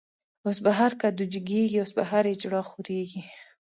اوس په هر کدو جګيږی، اوس په هر” اجړا” خوريږی